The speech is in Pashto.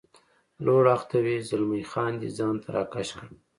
لوړ اړخ ته وي، زلمی خان دی ځان ته را کش کړ.